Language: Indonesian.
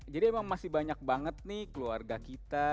jadi emang masih banyak banget nih keluarga kita